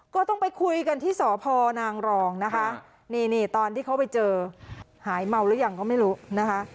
ก็ต้องไปคุยกันที่สพนางรองนะคะนี่นี่ตอนที่เขาไปเจอหายเมาหรือยังก็ไม่รู้นะคะ